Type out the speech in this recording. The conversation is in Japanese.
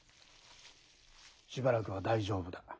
しばらくは大丈夫だ。